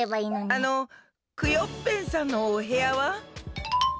あのクヨッペンさんのおへやは？